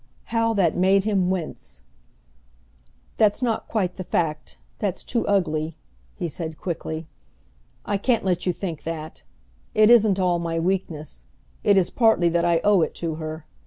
How that made him wince! "That's not quite the fact, that's too ugly," he said quickly. "I can't let you think that; it isn't all my weakness. It is partly that I owe it to her.